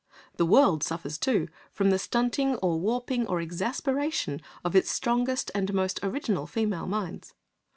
The world suffers too, from the stunting or warping or exasperation of its strongest and most original female minds.